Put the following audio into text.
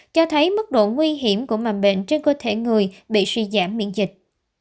cho thấy mức độ nguy hiểm của mầm bệnh trên cơ thể người bị suy giảm miễn dịch